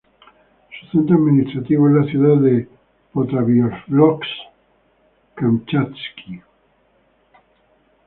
Su centro administrativo es la ciudad de Petropávlovsk-Kamchatski.